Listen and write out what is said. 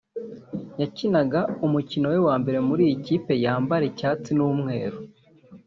yakinaga umukino we wa mbere muri iyi kipe yambara icyatsi n’umweru